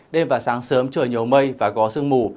đêm và sáng sớm trời nhiều mây và có sương mù